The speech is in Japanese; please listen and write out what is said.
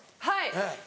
はい。